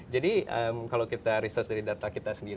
jadi kalau kita research dari data kita sendiri